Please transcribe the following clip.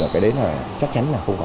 cái đấy chắc chắn là không có